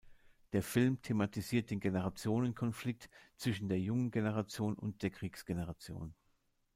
Der Film thematisiert den Generationenkonflikt zwischen der jungen Generation und der Kriegsgeneration.